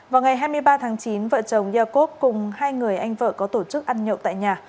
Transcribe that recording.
vào ngày hai mươi ba tháng chín vợ chồng yaco cùng hai người anh vợ có tổ chức ăn nhậu tại nhà